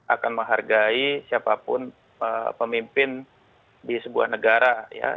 akan menghargai siapapun pemimpin di sebuah negara